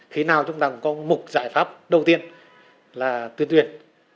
khi nào chúng ta cũng có một giải pháp đầu tiên là tuyên truyền